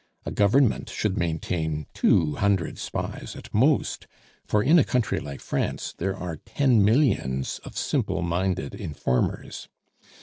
A government should maintain two hundred spies at most, for in a country like France there are ten millions of simple minded informers.